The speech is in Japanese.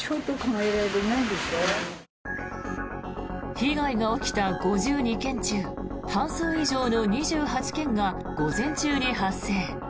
被害が起きた５２件中半数以上の２８件が午前中に発生。